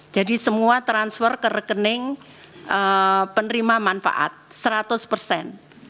jadi semua transfer ke rekening penerima manfaat seratus persen